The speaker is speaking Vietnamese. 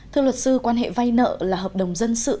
thưa luật sư quan hệ vay nợ là hợp đồng dân sự